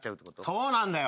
そうなんだよ。